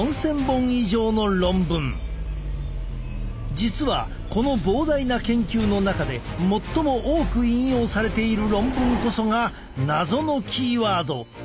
実はこの膨大な研究の中で最も多く引用されている論文こそが謎のキーワード